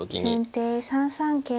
先手３三桂成。